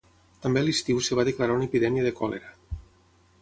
També a l'estiu es va declarar una epidèmia de còlera.